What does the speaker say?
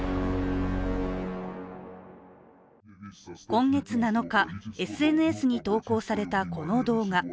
今月７日、ＳＮＳに投稿されたこの動画。